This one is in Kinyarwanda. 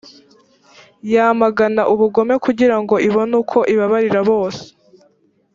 yamagana ubugome kugira ngo ibone uko ibabarira bose